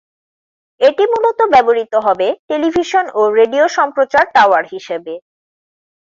এটি মূলত ব্যবহৃত হবে টেলিভিশন ও রেডিও সম্প্রচার টাওয়ার হিসেবে।